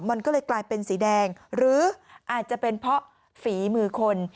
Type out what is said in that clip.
มันก็เลยกลายเป็นสีแดงหรืออาจจะเป็นเพราะฝีมือคน